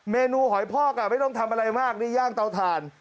เมนูหอยพอกไม่ต้องทำอะไรมากนี่ย่างเตาถ่าน